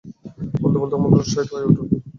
বলতে বলতে অমূল্য উৎসাহিত হয়ে উঠতে লাগল।